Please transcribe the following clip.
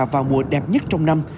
vào mùa đẹp nhất trong năm